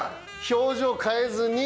表情を変えずに。